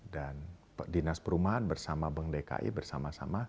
dan dinas perumahan bersama bng dki bersama sama